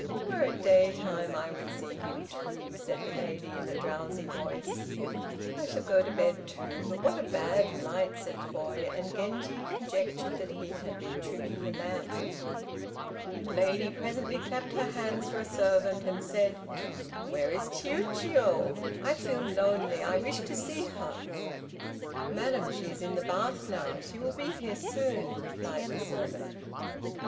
"Were it daytime I would see him, too," said the lady in a drowsy voice. "I shall go to bed, too! But what a bad light," said the boy, and Genji conjectured that he had been trimming the lamp. The lady presently clapped her hands for a servant, and said, "Where is Chiûjiô, I feel lonely, I wish to see her." "Madam, she is in the bath now, she will be here soon," replied the servant.